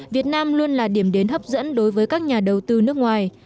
việt nam luôn là điểm đến hấp dẫn đối với các nhà đầu tư nước ngoài